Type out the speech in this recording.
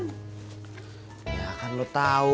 ya kan lu tahu